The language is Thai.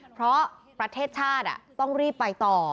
เพราะประเทศชาติต้องรีบไปต่อ